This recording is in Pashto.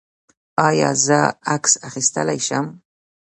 ایا زه عکس اخیستلی شم؟